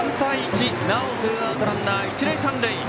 なおツーアウトランナー、一塁三塁。